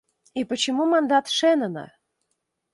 И почему мандат Шэннона?